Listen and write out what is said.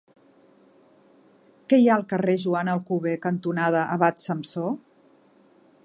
Què hi ha al carrer Joan Alcover cantonada Abat Samsó?